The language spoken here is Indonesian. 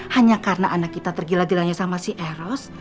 hanya karena anak kita tergila gilanya sama si eros